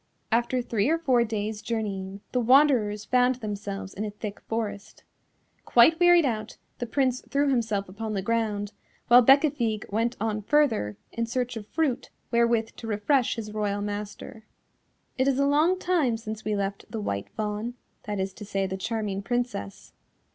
After three or four days' journeying, the wanderers found themselves in a thick forest. Quite wearied out, the Prince threw himself upon the ground, while Bécafigue went on further in search of fruit wherewith to refresh his royal master. It is a long time since we left the White Fawn, that is to say the charming Princess.